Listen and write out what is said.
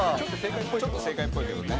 ちょっと正解っぽいけどな。